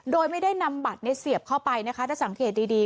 โดยไม่ได้นำบัตรเสียบเข้าไปนะคะถ้าสังเกตดี